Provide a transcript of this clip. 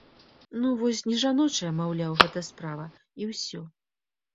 Ну вось не жаночая, маўляў, гэта справа і ўсё!